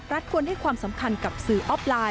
ควรให้ความสำคัญกับสื่อออฟไลน